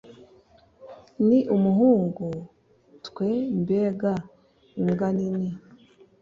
ni umuhungu twe mbega imbwa nini